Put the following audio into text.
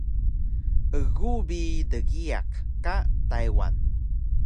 Egu bi dgiyaq ka Taywan